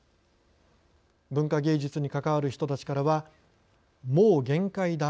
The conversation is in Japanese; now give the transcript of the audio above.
文化芸術に関わる人たちからは「もう限界だ」